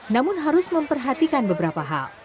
namun harus memperhatikan beberapa hal